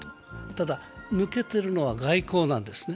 ただ、抜けてるのは外交なんです。